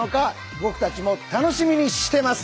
僕たちも楽しみにしてます！